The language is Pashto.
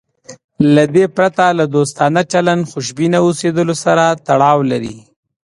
له دې پرته له دوستانه چلند خوشبینه اوسېدو سره تړاو لري.